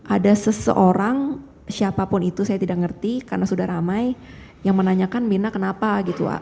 ada seseorang siapapun itu saya tidak mengerti karena sudah ramai yang menanyakan mirna kenapa gitu